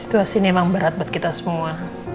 situasi ini memang berat buat kita semua